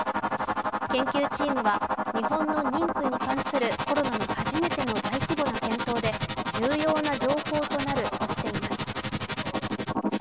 研究チームは、日本の妊婦に関するコロナの初めてな大規模な検討で重要な情報となるとしています。